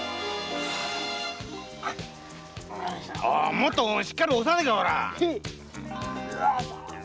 もっとしっかり押さないかホラ！